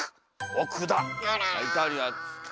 おくだ！